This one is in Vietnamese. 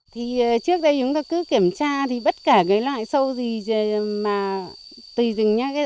thì trước đây chúng ta cứ kiểm tra thì bất kể cái loại sâu gì mà tùy dình nhé